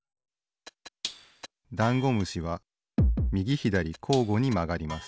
ダンゴムシはみぎひだりこうごにまがります。